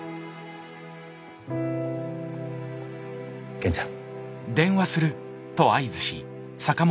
源ちゃん。